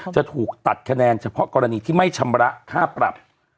จะถูกตัดคะแนนเฉพาะกรณีที่ไม่ชำระค่าปรับ